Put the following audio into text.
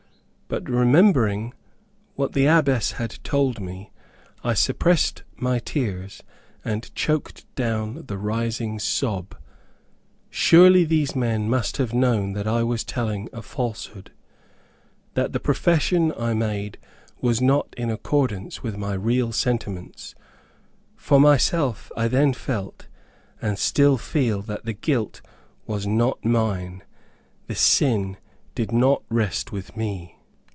But remembering what the Abbess had told me, I suppressed my tears, and choked down the rising sob. Surely those men must have known that I was telling a falsehood that the profession I made was not in accordance with my real sentiments. For myself, I then felt, and still feel that the guilt was not mine. The sin did not rest with me.